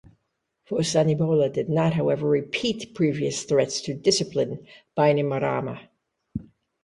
Vosanibola did not, however, repeat previous threats to discipline Bainimarama.